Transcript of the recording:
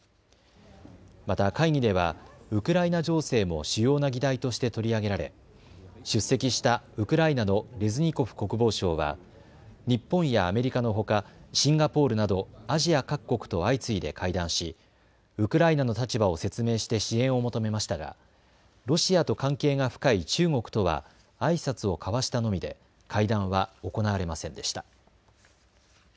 また会議ではウクライナ情勢も主要な議題として取り上げられ出席したウクライナのレズニコフ国防相は日本やアメリカのほかシンガポールなどアジア各国と相次いで会談しウクライナの立場を説明して支援を求めましたが、ロシアと関係が深い中国とはあいさつを交わしたのみで会談は行われませんでした。